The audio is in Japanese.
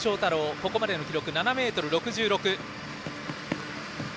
ここまでの記録は７ｍ６６。